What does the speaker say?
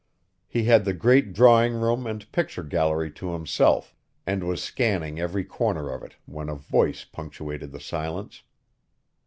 He had the great drawing room and picture gallery to himself and was scanning every corner of it when a voice punctuated the silence.